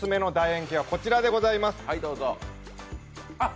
円形はこちらでございます。